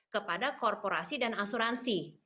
kepada korporasi dan asuransi